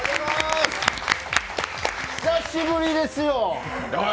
久しぶりですよ。